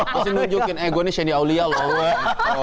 pasti nunjukin eh gue nih shandy aulia loh